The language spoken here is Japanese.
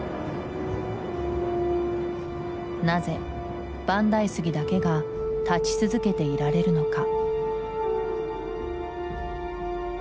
なぜ万代杉だけが立ち続けていられるのか？